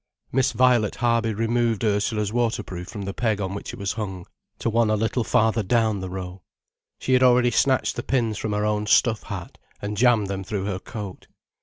Miss Violet Harby removed Ursula's waterproof from the peg on which it was hung, to one a little farther down the row. She had already snatched the pins from her own stuff hat, and jammed them through her coat.